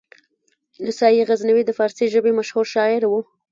سنايي غزنوي د فارسي ژبې مشهور شاعر و.